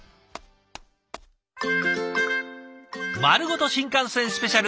まるごと新幹線スペシャル！